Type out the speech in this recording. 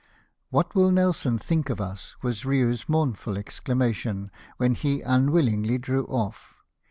"What will Nelson think of us !" was Eiou's mournful exclama tion, when he unwillingly drew off.